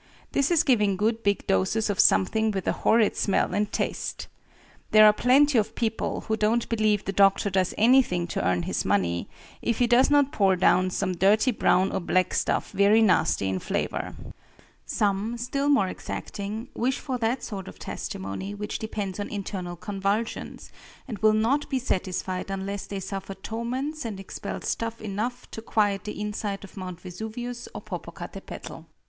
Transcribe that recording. This is giving good big doses of something with a horrid smell and taste. There are plenty of people who don't believe the doctor does anything to earn his money, if he does not pour down some dirty brown or black stuff very nasty in flavor. Some, still more exacting, wish for that sort of testimony which depends on internal convulsions, and will not be satisfied unless they suffer torments and expel stuff enough to quiet the inside of Mount Vesuvius or Popocatepetl.